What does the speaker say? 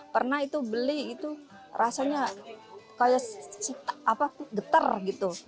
pernah itu beli itu rasanya kayak getar gitu